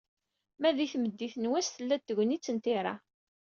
Ma di tmeddit n wass, tella-d tegnit n tira.